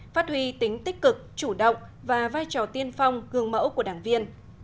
phát huy tính tích cực chủ động và vai trò tiên phong gương mẫu của đảng viên